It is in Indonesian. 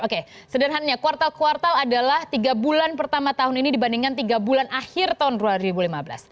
oke sederhananya kuartal kuartal adalah tiga bulan pertama tahun ini dibandingkan tiga bulan akhir tahun dua ribu lima belas